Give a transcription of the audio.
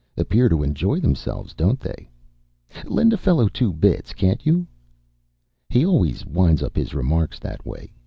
Appear to enjoy themselves, don't they? Lend a fellow two bits, can't you?" He always winds up his remarks that way.